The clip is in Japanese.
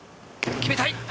決めたい！